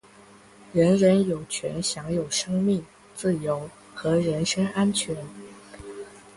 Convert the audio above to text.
人人有权享有生命、自由和人身安全。